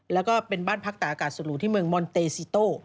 แล้วก็เป็นบ้านพักตาอากาศสุดหรูที่เมืองมอนเตซิโต้